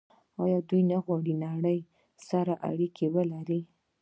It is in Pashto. آیا دوی نه غواړي له نړۍ سره اړیکه ولري؟